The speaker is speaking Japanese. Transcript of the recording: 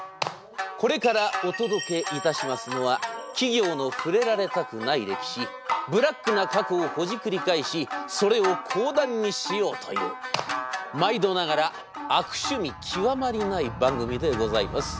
これからお届けいたしますのは企業の触れられたくない歴史ブラックな過去をほじくり返しそれを講談にしようという毎度ながら悪趣味極まりない番組でございます。